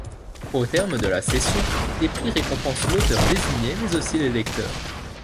Au terme de la session, des prix récompensent l'auteur désigné mais aussi les lecteurs.